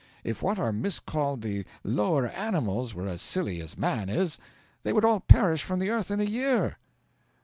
If what are miscalled the lower animals were as silly as man is, they would all perish from the earth in a year.'